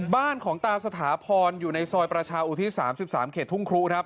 บ้านของตาสถาพรอยู่ในซอยประชาอุทิศ๓๓เขตทุ่งครูครับ